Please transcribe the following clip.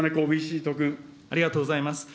ありがとうございます。